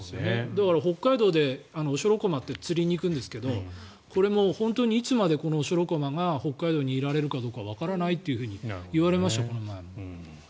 だから北海道でオショロコマって釣りに行くんですけどこれも本当にオショロコマが北海道にいられるかわからないって言われますよね。